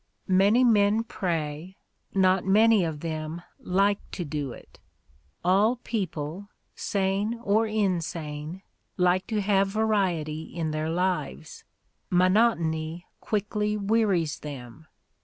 Many men pray, not many of them like to do it. ... All people, sane or insane, like to have variety in their lives. Monotony quickly wearies them.